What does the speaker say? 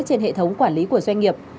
trên hệ thống quản lý của doanh nghiệp